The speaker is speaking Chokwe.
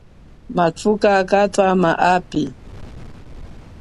Mathuka katwama api.